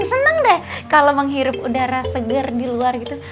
seneng deh kalo menghirup udara segar di luar gitu